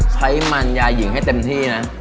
ใช้มันยาหญิงให้เต็มที่นะ